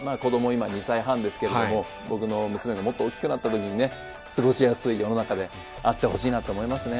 今２歳半ですけれども僕の娘がもっと大きくなった時にね過ごしやすい世の中であってほしいなと思いますね。